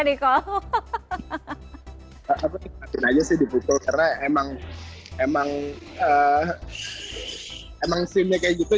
aku nikmatin aja sih di putul karena emang emang emang scenenya kayak gitu